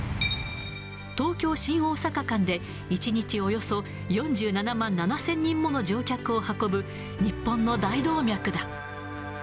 東京・新大阪間で１日およそ４７万７０００人もの乗客を運ぶ、日本の大動脈だ。